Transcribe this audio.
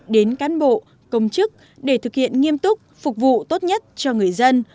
đến cán bộ công chức để thực hiện nghiêm túc phục vụ tốt nhất cho người dân